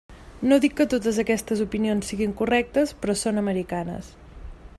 No dic que totes aquestes opinions siguin correctes, però són americanes.